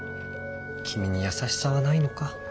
君に優しさはないのか？